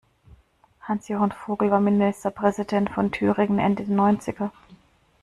Hans-Jochen Vogel war Ministerpräsident von Thüringen Ende der Neunziger.